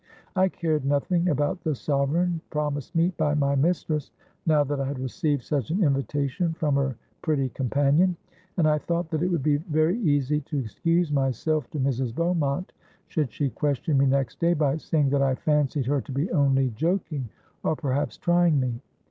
I cared nothing about the sovereign promised me by my mistress, now that I had received such an invitation from her pretty companion; and I thought that it would be very easy to excuse myself to Mrs. Beaumont, should she question me next day, by saying that I fancied her to be only joking, or perhaps trying me.